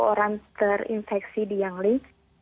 orang terinfeksi di yangling